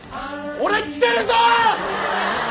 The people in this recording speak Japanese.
俺来てるぞ！